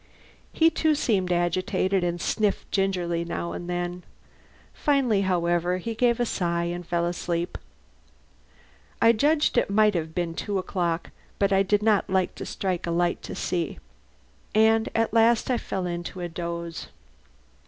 He, too, seemed agitated and sniffed gingerly now and then. Finally, however, he gave a sigh and fell asleep. I judged it might have been two o'clock, but I did not like to strike a light. And at last I fell into a doze.